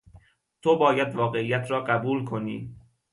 تو باید واقعیت را قبول کنی.